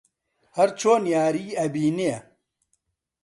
هەر چۆن یاری ئەبینێ